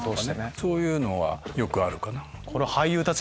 そういうのはよくあるかな。